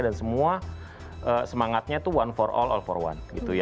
dan semua semangatnya itu one for all all for one